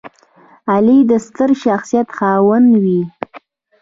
غلی، د ستر شخصیت خاوند وي.